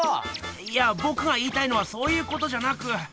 いやぼくが言いたいのはそういうことじゃなく。